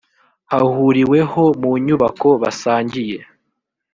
hahuriweho mu nyubako basangiye